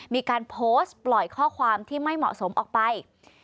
มีการโพสต์ปล่อยข้อความที่ไม่เหมาะสมออกไป